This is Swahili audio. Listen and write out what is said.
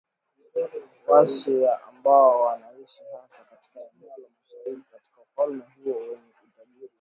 Wa-shia ambao wanaishi hasa katika eneo la mashariki katika ufalme huo wenye utajiri wa mafuta, wamelalamika kwa muda mrefu kwamba wanatendewa kama raia wa daraja la pili